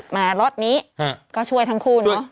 มาล็อตนี้ก็ช่วยทั้งคู่เนอะ